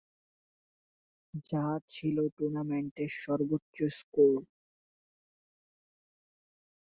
যা ছিল টুর্নামেন্টের সর্বোচ্চ স্কোর।